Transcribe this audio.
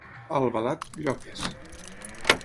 A Albalat, lloques.